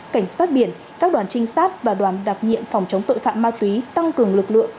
cảnh sát biển các đoàn trinh sát và đoàn đặc nhiệm phòng chống tội phạm ma túy tăng cường lực lượng